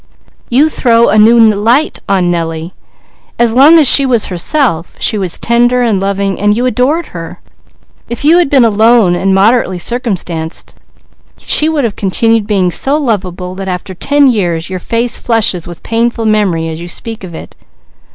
You throw a new light on Nellie. As long as she was herself, she was tender and loving, and you adored her; if you had been alone and moderately circumstanced, she would have continued being so lovable that after ten years your face flushes with painful memory as you speak of it.